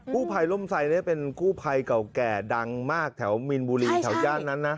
ผู้ภัยร่มไซดเป็นกู้ภัยเก่าแก่ดังมากแถวมีนบุรีแถวย่านนั้นนะ